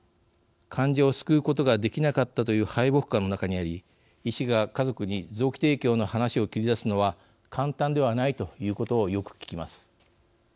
患者を救うことができなかったという敗北感の中にあり医師が家族に臓器提供の話を切り出すのは簡単ではないということをよく聞きます。